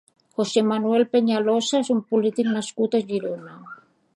José Manuel Peñalosa és un polític nascut a Girona.